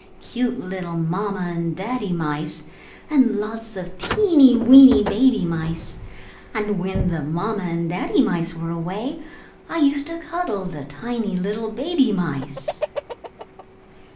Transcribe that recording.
Cute little Mama and Daddy mice, and lots of little teeny weeny baby mice. And when the mama and daddy mice were away, I used to cuddle the tiny little baby mice!"